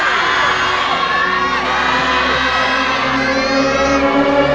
ร้องได้ให้ร้อง